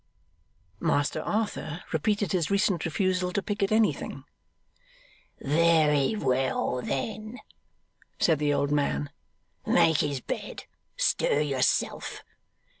Master Arthur repeated his recent refusal to pick at anything. 'Very well, then,' said the old man; 'make his bed. Stir yourself.